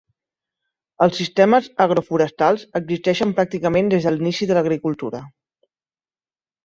Els sistemes agroforestals existeixen pràcticament des de l'inici de l'agricultura.